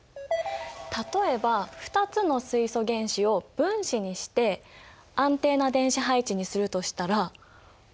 例えば２つの水素原子を分子にして安定な電子配置にするとしたらどうすればいいか考えてみて。